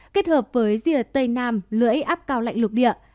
kết hợp với rìa tây nam lưỡi áp cao lạnh lục địa